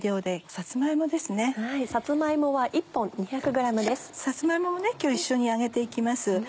さつま芋も今日一緒に揚げて行きます。